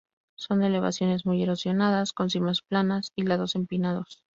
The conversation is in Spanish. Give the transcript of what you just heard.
Son elevaciones muy erosionadas, con cimas planas y lados empinados.